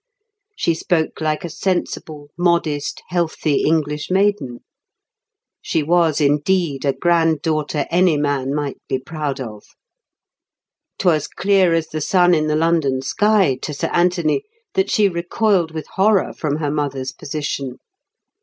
She spoke like a sensible, modest, healthy English maiden. She was indeed a granddaughter any man might be proud of. 'Twas clear as the sun in the London sky to Sir Anthony that she recoiled with horror from her mother's position.